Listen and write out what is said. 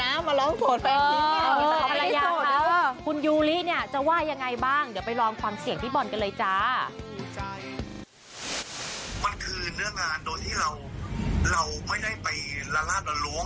มันคือเรื่องงานโดยที่เราไม่ได้ไปละลาดละล้วง